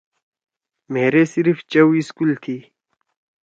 مھیرے صرف چَؤ سکول تھی۔